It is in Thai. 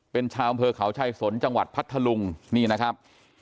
เป็นชาวอำเภอเขาชายสนจังหวัดพัทธลุงนี่นะครับ